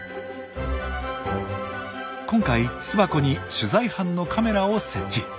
今回巣箱に取材班のカメラを設置。